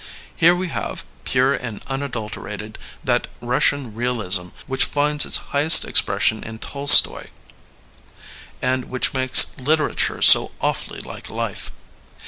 Here we have, pure and unadulterated. LEONID ANDREYEV 15 that Russian realism which finds its highest ex pression in Tolstoy, and which makes literature so awfully like life.